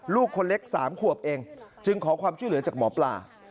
ลูกคนเล็ก๓ขวบเองจึงขอความช่วยเหลือจากหมอปลา